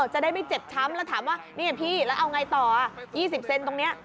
จะได้ไม่เจ็บช้ำแล้วถามว่านี่พี่แล้วเอาไงต่อ๒๐เซนตรงนี้